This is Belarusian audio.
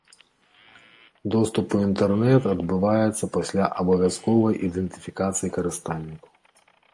Доступ у інтэрнэт адбываецца пасля абавязковай ідэнтыфікацыі карыстальнікаў.